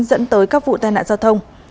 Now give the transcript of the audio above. dẫn tới các vụ tai nạn giao thông